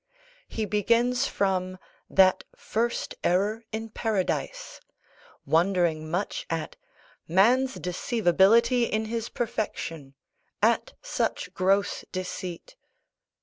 He begins from "that first error in Paradise," wondering much at "man's deceivability in his perfection," "at such gross deceit."